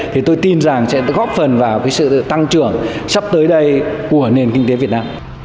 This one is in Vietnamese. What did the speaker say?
thì tôi tin rằng sẽ góp phần vào cái sự tăng trưởng sắp tới đây của nền kinh tế việt nam